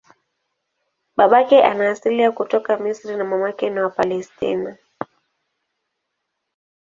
Babake ana asili ya kutoka Misri na mamake ni wa Palestina.